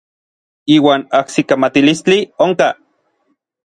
Iuan ajsikamatilistli onkaj.